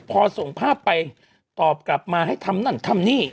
พอส่งภาพไปตอบกลับมาให้ทำนั่นทำนี่